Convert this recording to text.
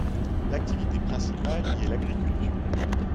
L'activité principale y est l'agriculture.